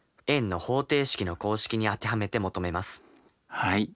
はい。